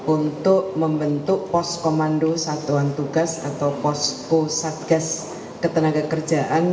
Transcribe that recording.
untuk membentuk poskomando satuan tugas atau poskosatgas ketenaga kerjaan